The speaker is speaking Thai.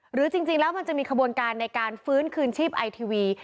หรือจริงแล้วมันจะมีขบวนการในการฟื้นคืนชีพไอทีวี